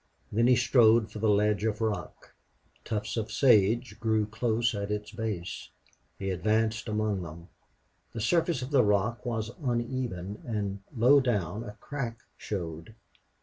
Then he strode for the ledge of rock. Tufts of sage grew close at its base. He advanced among them. The surface of the rock was uneven and low down a crack showed.